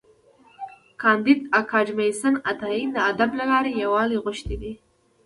کانديد اکاډميسن عطایي د ادب له لارې یووالی غوښتی دی.